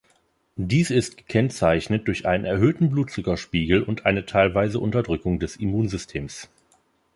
Dies ist gekennzeichnet durch einen erhöhten Blutzuckerspiegel und eine teilweise Unterdrückung des Immunsystems.